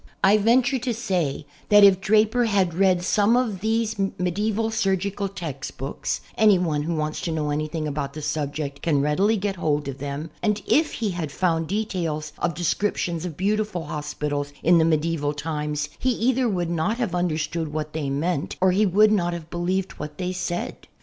I venture to say that if Draper had read some of these 18 SECOND HAND HISTORY tiiedieval surgical text books (anyone who wants to know anything about the subject can readily get hold of them), and if he had found details of descriptions of beautiful hospitals in the medieval times, he either would not have understood what they meant or he would not have believed what they said.